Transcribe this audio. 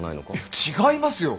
違いますよ！